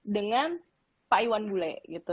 dengan pak iwan bule gitu